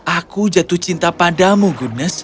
aku jatuh cinta padamu goodnes